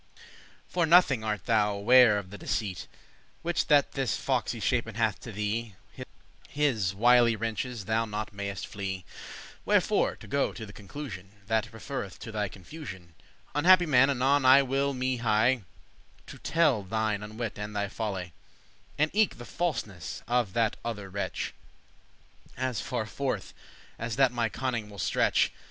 For nothing art thou ware of the deceit Which that this fox y shapen* hath to thee; *contrived His wily wrenches* thou not mayest flee. *snares Wherefore, to go to the conclusioun That referreth to thy confusion, Unhappy man, anon I will me hie* *hasten To telle thine unwit* and thy folly, *stupidity And eke the falseness of that other wretch, As farforth as that my conning* will stretch.